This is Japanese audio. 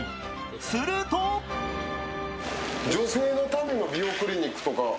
すると女性のための美容クリニックとか。